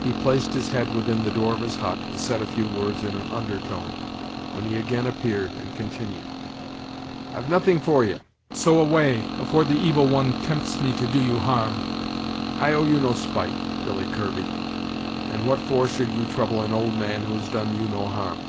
He placed his head within the door of his hut, and said a few words in an undertone, when he again appeared, and continued: "I've nothing for ye; so away, afore the Evil One tempts me to do you harm. I owe you no spite, Billy Kirby, and what for should you trouble an old man who has done you no harm?"